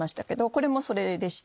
これもそれでして。